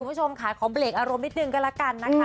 คุณผู้ชมค่ะขอเบรกอารมณ์นิดนึงก็แล้วกันนะคะ